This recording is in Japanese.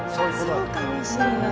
そうかもしれない。